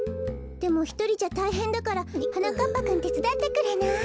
でもひとりじゃたいへんだからはなかっぱくんてつだってくれない？